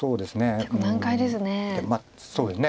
結構難解ですね。